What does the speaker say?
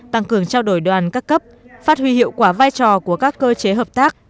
tăng cường trao đổi đoàn các cấp phát huy hiệu quả vai trò của các cơ chế hợp tác